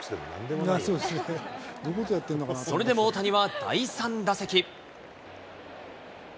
それでも大谷は第３打席。